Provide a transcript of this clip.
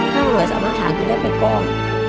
ถ้าหน่วยสามารถหากินได้เป็นกล้อง